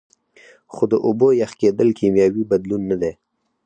خو د اوبو یخ کیدل کیمیاوي بدلون نه دی